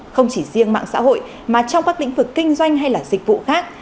không chỉ riêng mạng xã hội mà trong các lĩnh vực kinh doanh hay là dịch vụ khác